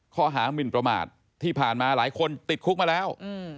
หมินประมาทที่ผ่านมาหลายคนติดคุกมาแล้ว